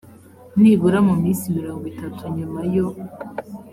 nibura mu minsi mirongo itatu nyuma yo